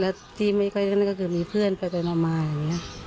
แล้วที่ไม่ค่อยนั่นก็คือมีเพื่อนไปมาอย่างนี้